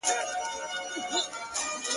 چي قاضي ته چا ورکړئ دا فرمان دی.